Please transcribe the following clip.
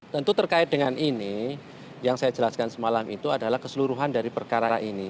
tentu terkait dengan ini yang saya jelaskan semalam itu adalah keseluruhan dari perkara ini